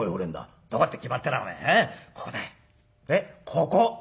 「ここ！」。